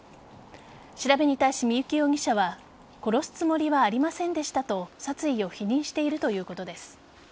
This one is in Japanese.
調べに対し、三幸容疑者は殺すつもりはありませんでしたと殺意を否認しているということです。